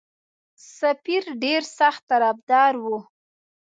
سفیر ډېر سخت طرفدار وو.